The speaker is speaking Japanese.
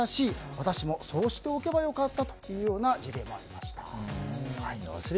私もそうしておけばよかったというような事例もありました。